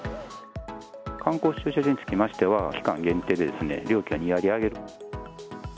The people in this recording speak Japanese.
観光駐車場につきましては、期間限定でですね、料金を２割上げる。